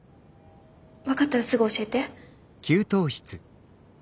分かったらすぐ教えて。